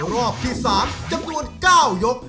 รอบที่๓จำนวน๙ยก